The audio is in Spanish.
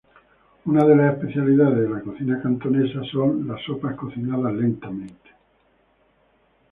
Una de las especialidades de la cocina cantonesa son las sopas cocinadas lentamente.